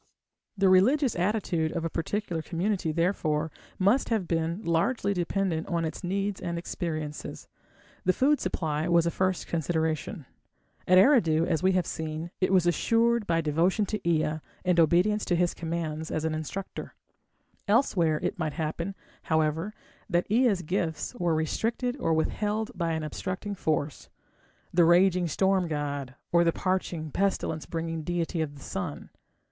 The religious attitude of a particular community, therefore, must have been largely dependent on its needs and experiences. The food supply was a first consideration. At Eridu, as we have seen, it was assured by devotion to Ea and obedience to his commands as an instructor. Elsewhere it might happen, however, that Ea's gifts were restricted or withheld by an obstructing force the raging storm god, or the parching, pestilence bringing deity of the sun.